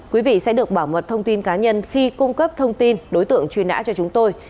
quý vị sẽ được bảo mật thông tin cá nhân khi cung cấp thông tin đối tượng truy nã cho chúng tôi